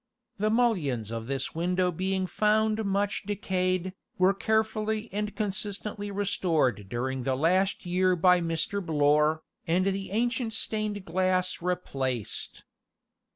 The mullions of this window being found much decayed, were carefully and consistently restored during the last year by Mr. Blore, and the ancient stained glass replaced.